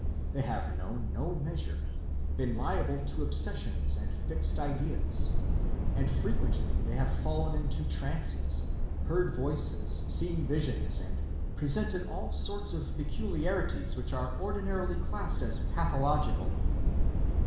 They have known no measure, been liable to obsessions and fixed ideas; and frequently they have fallen into trances, heard voices, seen visions, and presented all sorts of peculiarities which are ordinarily classed as pathological.